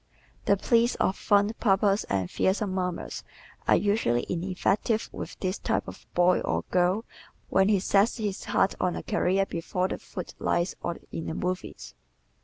The pleas of fond papas and fearsome mamas are usually ineffective with this type of boy or girl when he sets his heart on a career before the foot lights or in the movies.